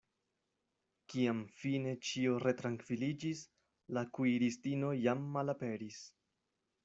Kiam fine ĉio retrankviliĝis, la kuiristino jam malaperis.